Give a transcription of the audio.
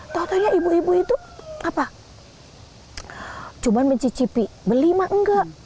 tentunya ibu ibu itu cuma mencicipi beli mah nggak